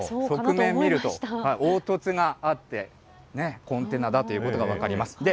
側面見ると、凹凸があって、コンテナだということが分かります。